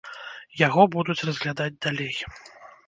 Яго будуць разглядаць далей.